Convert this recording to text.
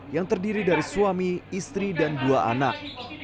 yang terdiri dari suami istri dan dua anak